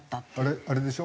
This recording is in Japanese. あれでしょ？